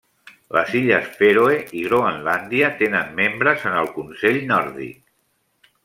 Les Illes Fèroe i Groenlàndia tenen membres en el Consell Nòrdic.